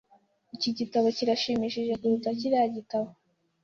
Iki gitabo kirashimishije kuruta kiriya gitabo .